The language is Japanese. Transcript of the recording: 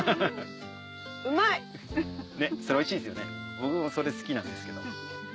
僕もそれ好きなんですけど。